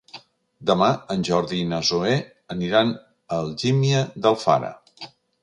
Demà en Jordi i na Zoè aniran a Algímia d'Alfara.